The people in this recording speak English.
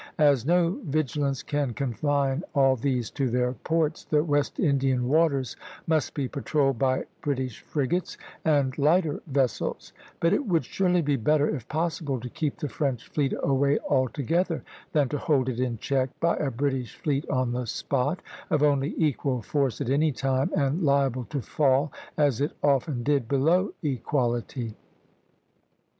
As no vigilance can confine all these to their ports, the West Indian waters must be patrolled by British frigates and lighter vessels; but it would surely be better, if possible, to keep the French fleet away altogether than to hold it in check by a British fleet on the spot, of only equal force at any time, and liable to fall, as it often did, below equality.